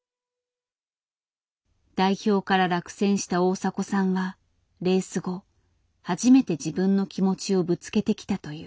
代表から落選した大迫さんはレース後初めて自分の気持ちをぶつけてきたという。